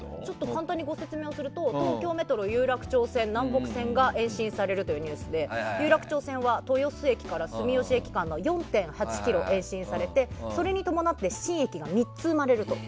簡単にご説明をすると東京メトロ有楽町線・南北線が延伸されるというニュースで有楽町線は豊洲駅から住吉駅間の４．８ｋｍ延伸されて、それに伴って新駅が３つ生まれると。